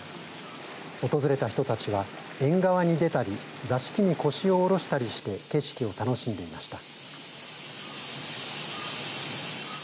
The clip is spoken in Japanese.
訪れた人たちは縁側に出たり座敷に腰を下ろしたりして景色を楽しんでいました。